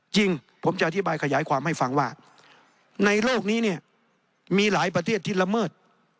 จริงผมจะอธิบายขยายความให้ฟังว่าในโลกนี้เนี่ยมีหลายประเทศที่ละเมิด